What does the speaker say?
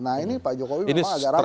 nah ini pak jokowi memang agak rame